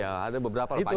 ya ada beberapa lah